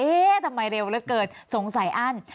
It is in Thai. ทำไมเร็วเหลือเกินสงสัยอั้น